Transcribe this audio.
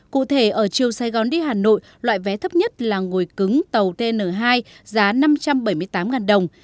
cụ thể ở chiều sài gòn đi hà nội loại vé thấp nhất là ngồi cứng tàu tn hai giá năm trăm bảy mươi tám đồng